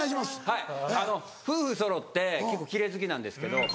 はい夫婦そろって結構奇麗好きなんですけど。